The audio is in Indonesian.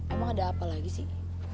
emang ada apa lagi sih